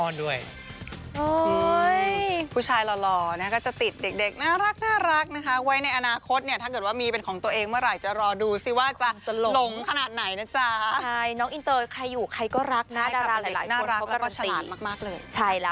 น้องอินเตอร์ใครอยู่ใครก็รักน่าดาราหลายคนเขากรรวมที